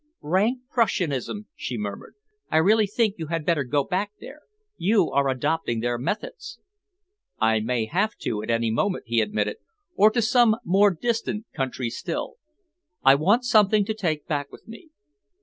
"Rank Prussianism," she murmured. "I really think you had better go back there. You are adopting their methods." "I may have to at any moment," he admitted, "or to some more distant country still. I want something to take back with me."